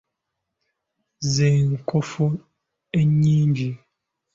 Ze nkofu enyingi.